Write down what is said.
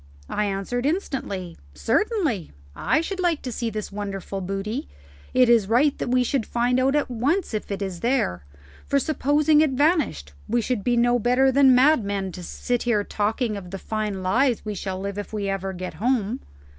I answered instantly, "Certainly; I should like to see this wonderful booty. It is right that we should find out at once if it is there; for supposing it vanished we should be no better than madmen to sit talking here of the fine lives we shall live if ever we get home."